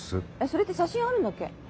それって写真あるんだっけ？